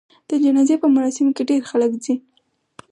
د جنازې په مراسمو کې ډېر خلک ځي.